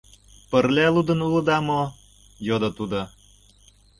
— Пырля лудын улыда мо? — йодо тудо.